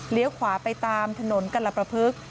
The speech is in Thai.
เลี้ยวขวาไปตามถนนกัลประพฤกษ์